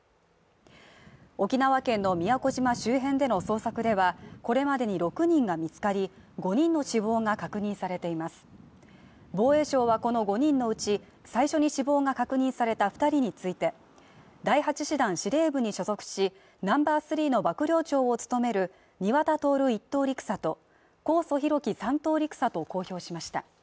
沖縄県の宮古島周辺での捜索では、これまでに６人が見つかり、５人の死亡が確認されています防衛省はこの５人のうち、最初に死亡が確認された２人について、第８師団司令部に所属しナンバー３の幕僚長を務める庭田徹１等陸佐と神尊皓基３等陸佐と公表しました。